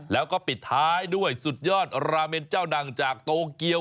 แล้วก็ปิดท้ายด้วยสุดยอดราเมนเจ้าดังจากโตเกียว